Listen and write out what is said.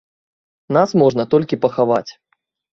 Нас можна толькі пахаваць.